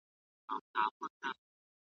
سم نیت خپګان نه جوړوي.